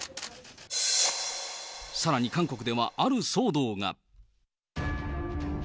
さらに韓国ではある騒動が。